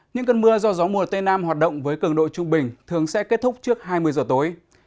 những cơn mưa do gió mùa tây nam hoạt động với cường độ trung bình thường sẽ kết thúc trước hai mươi giờ tối